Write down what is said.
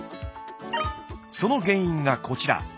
その原因がこちら。